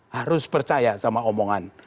harus percaya sama omongan